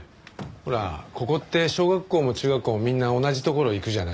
ほらここって小学校も中学校もみんな同じところ行くじゃないですか。